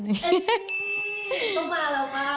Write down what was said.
ต้องมาเหรอคะ